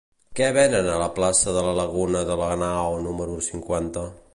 Què venen a la plaça de la Laguna de Lanao número cinquanta?